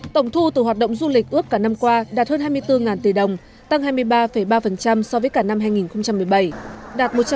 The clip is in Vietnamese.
tổng thu từ hoạt động du lịch ước cả năm qua đạt hơn hai mươi bốn tỷ đồng tăng hai mươi ba ba so với cả năm hai nghìn một mươi bảy đạt một trăm linh